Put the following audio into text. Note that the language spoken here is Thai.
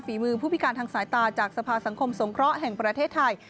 ผู้พิการทางสายตาจากสภาสังคมสงเคราะห์แห่งประเทศไทย